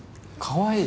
「かわいい」？